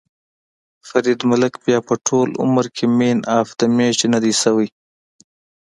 فرید ملک بیا به ټول عمر کې مېن اف ده مېچ ندی شوی.ههه